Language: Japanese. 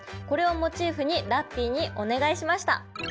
これをモチーフにラッピィにお願いしました。